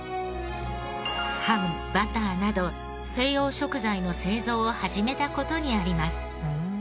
ハムバターなど西洋食材の製造を始めた事にあります。